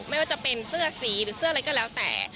ไม่ว่าจะเป็นเสื้อสีหรือเสื้ออะไรก็แล้วแต่